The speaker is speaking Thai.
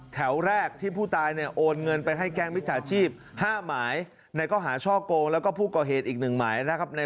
แล้วมีการโทรงคุยโทรงหนี้ก่อนแล้วหรือไม่ได้